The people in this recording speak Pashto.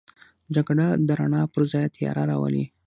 جګړه د رڼا پر ځای تیاره راولي